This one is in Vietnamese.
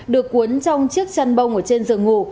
được cuốn trong chiếc chăn bông ở trên giường ngủ